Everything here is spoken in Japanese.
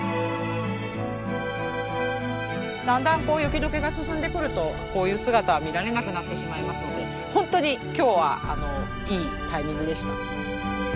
だんだん雪解けが進んでくるとこういう姿は見られなくなってしまいますので本当に今日はいいタイミングでした。